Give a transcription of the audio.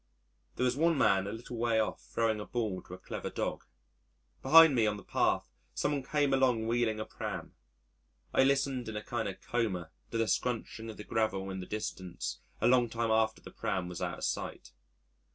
There was one man a little way off throwing a ball to a clever dog. Behind me on the path, some one came along wheeling a pram. I listened in a kind of coma to the scrunching of the gravel in the distance a long time after the pram was out of sight.